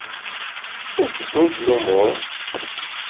La tteddunt lumuṛ?